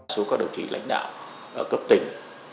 số các đồng chí lãnh đạo ở cấp tỉnh